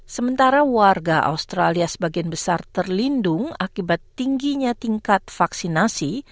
sementara warga australia sebagian besar terlindung akibat tingginya tingkat vaksinasi